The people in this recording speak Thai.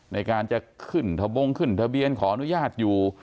ในการจะขึ้นทะบงขึ้นทะเบียนขออนุญาตอยู่